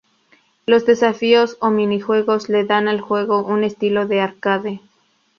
Los desafíos o mini-juegos le dan al juego un estilo de arcade.